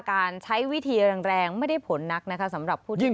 การใช้วิธีแรงไม่ได้ผลนักนะคะสำหรับผู้ที่